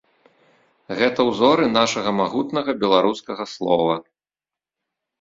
Гэта ўзоры нашага магутнага беларускага слова.